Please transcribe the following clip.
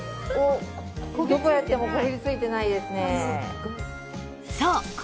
どこやってもこびりついてないですね。